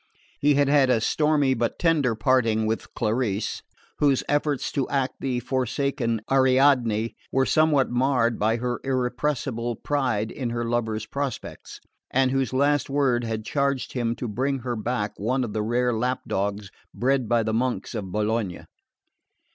He had had a stormy but tender parting with Clarice, whose efforts to act the forsaken Ariadne were somewhat marred by her irrepressible pride in her lover's prospects, and whose last word had charged him to bring her back one of the rare lap dogs bred by the monks of Bologna.